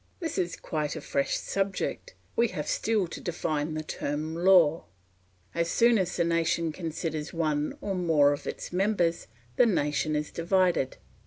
This is quite a fresh subject; we have still to define the term law. As soon as the nation considers one or more of its members, the nation is divided.